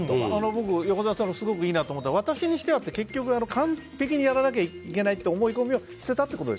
僕、横澤さんのいいなと思ったのが私にしてはというのは完ぺきにやらないといけないという思い込みを捨てたと。